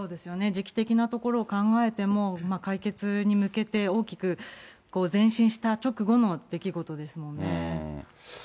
時期的なところを考えても、解決に向けて大きく前進した直後の出来事ですもんね。